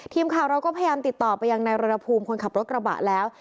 ทีมข่าวเราก็พยายามติดต่อไปยังนายรณภูมิคนขับรถกระบะแล้ว